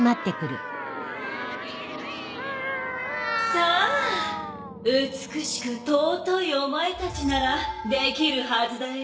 さあ美しく尊いお前たちならできるはずだよ。